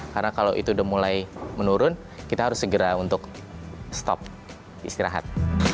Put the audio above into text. karena kalau itu udah mulai menurun kita harus segera untuk stop istirahat